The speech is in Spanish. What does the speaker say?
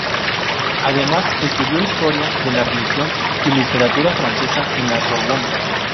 Además, estudió historia de la religión y literatura francesa en la Sorbona.